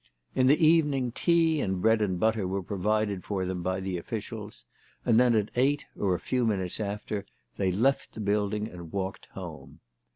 In the evening tea and bread and butter were provided for them by the officials ; and then at eight or a few minutes after they left the building and walked home.